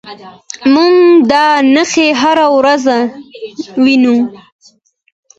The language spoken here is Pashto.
موږ دا نښې هره ورځ وینو.